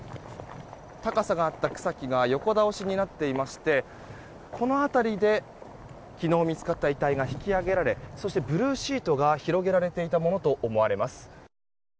高さがあった草木が横倒しになっていましてこの辺りで、昨日見つかった遺体が引き上げられそして、ブルーシートが広げられていたものと思われます。